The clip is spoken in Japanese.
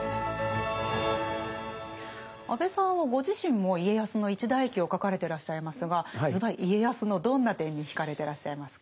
安部さんはご自身も家康の一代記を書かれてらっしゃいますがズバリ家康のどんな点に惹かれてらっしゃいますか？